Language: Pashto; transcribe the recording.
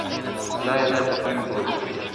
خدايه دا ټـپه مي په وجود كـي ده.